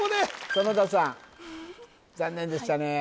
園田さん残念でしたね